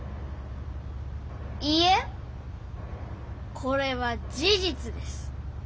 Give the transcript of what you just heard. いいえこれは事実です。